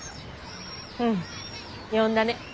うん呼んだね。